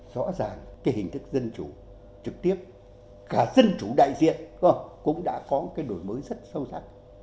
rõ ràng cái hình thức dân chủ trực tiếp cả dân chủ đại diện cũng đã có một cái đổi mới rất sâu sắc